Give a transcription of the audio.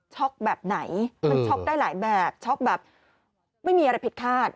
แบบไหนมันช็อกได้หลายแบบช็อกแบบไม่มีอะไรผิดคาด